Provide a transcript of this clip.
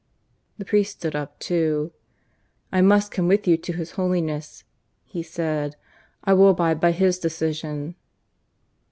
The priest stood up too. "I must come with you to His Holiness," he said. "I will abide by his decision."